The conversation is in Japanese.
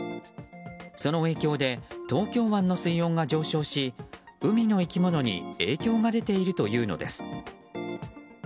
その影響で東京湾の水温が上昇し海の生き物に影響が出ているというのです。